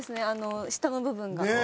あの下の部分が。